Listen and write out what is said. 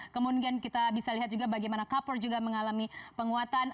kemudian kita bisa lihat juga bagaimana copper juga mengalami penguatan